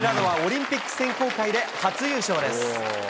平野はオリンピック選考会で初優勝です。